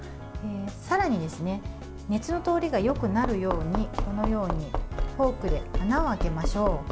さらに熱の通りがよくなるようにこのようにフォークで穴を開けましょう。